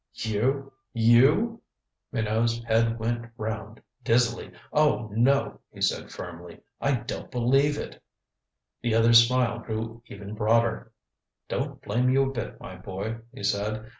"You you " Minot's head went round dizzily. "Oh, no," he said firmly. "I don't believe it." The other's smile grew even broader. "Don't blame you a bit, my boy," he said.